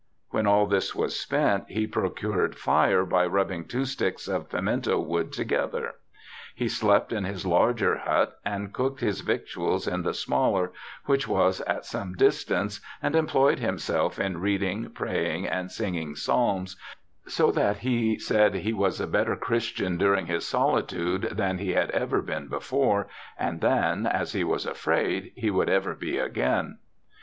When all this was spent he procured fire by rubbing two sticks of pimento wood together. He slept in his larger hut and cooked his victuals in the smaller, which was at some distance, and employed himself in reading, praying, and singing psalms, so that he said he was a better Christian during his solitude than he ever had been before, and than, as he was afraid, he would ever be again.